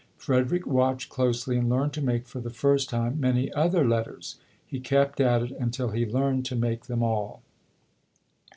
Frederick watched closely and learned to make for the first time many other letters. He kept at it until he learned to make them all.